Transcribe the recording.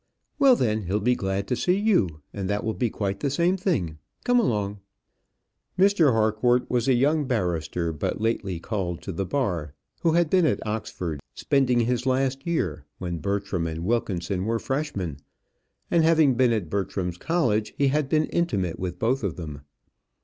"Well, then, he'll be glad to see you; and that will be quite the same thing. Come along." Mr. Harcourt was a young barrister but lately called to the bar, who had been at Oxford spending his last year when Bertram and Wilkinson were freshmen; and having been at Bertram's college, he had been intimate with both of them.